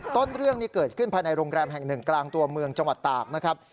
ต้นเรื่องนี้เกิดขึ้นภายในโรงแรมแห่งหนึ่งกลางตัวเมืองจังหวัดตากนะครับ